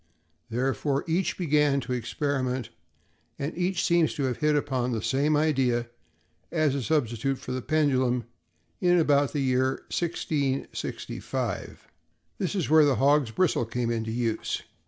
Therefore, each began to experiment, and each seems to have hit upon the same idea as a substitute for the pendulum in about the year 1665. This is where the hog's bristle came into use.